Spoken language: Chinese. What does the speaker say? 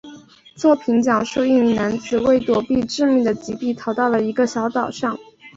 作品讲述一名男子为躲避致命的疾病逃到一个小岛上。